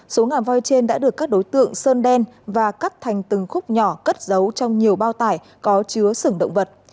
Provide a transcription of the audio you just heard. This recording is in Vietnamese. số ngà voi trên đã được các đối tượng sơn đen và cắt thành từng khúc nhỏ cất giấu trong nhiều bao tải có chứa sừng động vật